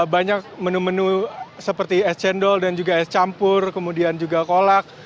banyak menu menu seperti es cendol dan juga es campur kemudian juga kolak